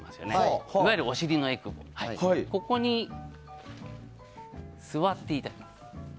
いわゆるお尻のえくぼですがここに座っていただく。